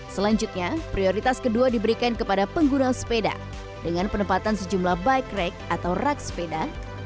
selanjutnya prioritas kedua diberikan kepada pengguna sepeda dengan penempatan sejumlah bike rack atau rak sepeda